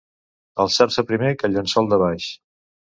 Alçar-se primer que el llençol de baix.